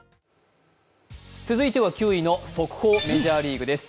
続いては９位の、速報メジャーリーグです。